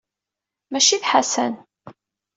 Maci d Ḥasan.